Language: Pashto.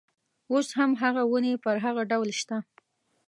اوس هم هغه ونې پر هغه ډول شته.